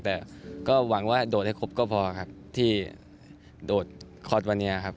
แต่ก็หวังว่าโดดให้ครบก็พอครับที่โดดคลอดวันนี้ครับ